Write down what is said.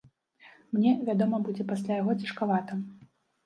Мне, вядома, будзе пасля яго цяжкавата.